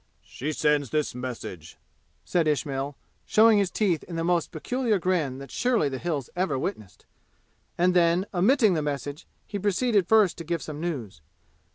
"She sends this message," said Ismail, showing his teeth in the most peculiar grin that surely the Hills ever witnessed. And then, omitting the message, he proceeded first to give some news.